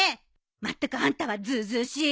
まったくあんたはずうずうしい。